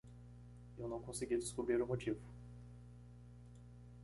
Eu não consegui descobrir o motivo.